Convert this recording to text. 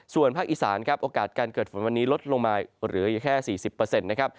ส่วนภาคอีสานครับโอกาสการเกิดฝนวันนี้ลดลงมาเหลืออยู่แค่๔๐นะครับ